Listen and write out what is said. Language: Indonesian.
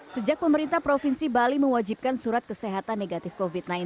sejak pemerintah provinsi bali mewajibkan surat kesehatan negatif covid sembilan belas